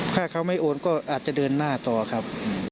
ถ้าเขาไม่โอนก็อาจจะเดินหน้าต่อครับ